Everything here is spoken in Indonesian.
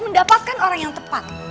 mendapatkan orang yang tepat